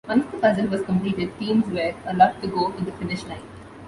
Once the puzzle was completed, teams were allowed to go to the finish line.